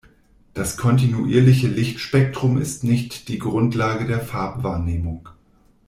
Das kontinuierliche Lichtspektrum ist nicht die Grundlage der Farbwahrnehmung.